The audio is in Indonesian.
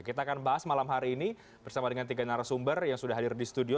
kita akan bahas malam hari ini bersama dengan tiga narasumber yang sudah hadir di studio